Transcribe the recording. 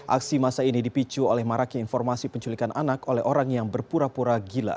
aksi masa ini dipicu oleh maraknya informasi penculikan anak oleh orang yang berpura pura gila